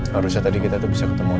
harusnya tadi kita tuh bisa ketemu